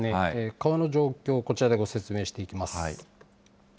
川の状況、こちらでご説明していきます。